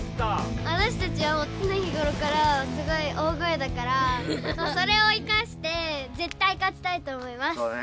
わたしたちはつねひごろからすごい大声だからそれを生かしてぜったい勝ちたいと思います！